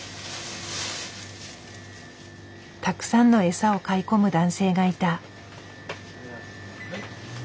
たくさんのエサを買い込む男性がいた。